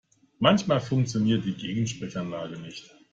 Manchmal funktioniert die Gegensprechanlage nicht.